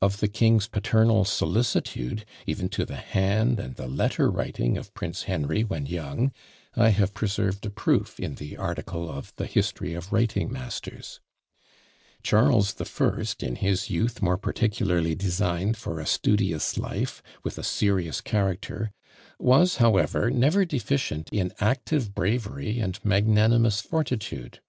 Of the king's paternal solicitude, even to the hand and the letter writing of Prince Henry when young, I have preserved a proof in the article of "The History of Writing masters." Charles the First, in his youth more particularly designed for a studious life, with a serious character, was, however, never deficient in active bravery and magnanimous fortitude.